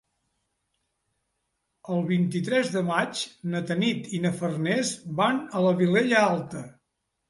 El vint-i-tres de maig na Tanit i na Farners van a la Vilella Alta.